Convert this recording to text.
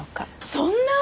そんな！